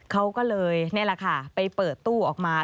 เขาก็เลยนี่แหละค่ะไปเปิดตู้ออกมา